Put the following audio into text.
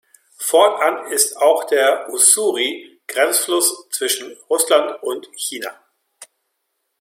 Fortan ist auch der Ussuri Grenzfluss zwischen Russland und China.